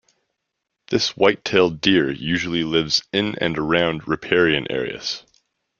This white-tailed deer usually lives in and around riparian areas.